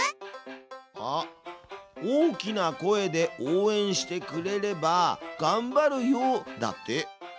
あっ「大きな声で応援してくれればがんばるよ」だって。